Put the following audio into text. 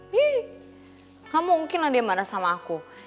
hih gak mungkin lah dia marah sama aku